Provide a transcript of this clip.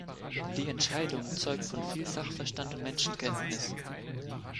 Die Entscheidung zeugt von viel Sachverstand und Menschenkenntnis.